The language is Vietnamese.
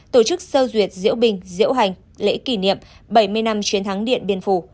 tổ chức sơ duyệt diễu bình diễu hành lễ kỷ niệm bảy mươi năm chiến thắng điện biên phủ